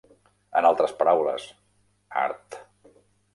En altres paraules, art.